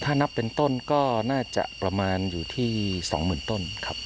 ถ้านับเป็นต้นก็น่าจะประมาณอยู่ที่๒๐๐๐ต้นครับ